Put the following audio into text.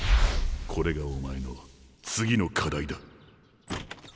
これがお前の次の課題だ。